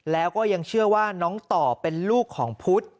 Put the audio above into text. แล้วก็ยังเชื่อว่าน้องต่อเป็นลูกของพุทธ